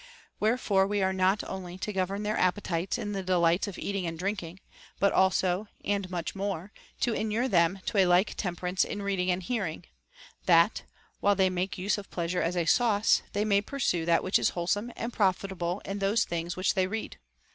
Wherefore we are not only to govern their appetites in the delights of eating and drinking, but also (and much more) to inure them to a like temperance in reading and hearing, that, while they make use of pleasure as a sauce, they may pursue that which is wholesome and profitable in those things which they read.